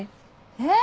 えっ？